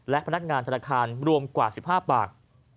และพนักงานธนาคารรวมกว่า๑๕ปาก